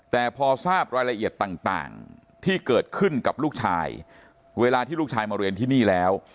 แต่พอทราบรายละเอียดต่างที่เกิดขึ้นกับลูกชายเวลาที่ลูกชายมาเรียนที่นี่แล้ว